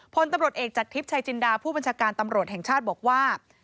พลตำรวจเอกจากทริปชายจินดาผู้บัญชาการตำรวจแห่งชาติบอกว่า